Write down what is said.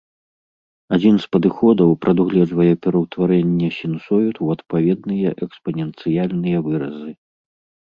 Адзін з падыходаў прадугледжвае пераўтварэнне сінусоід ў адпаведныя экспаненцыяльныя выразы.